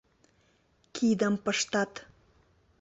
Кидым пыштат.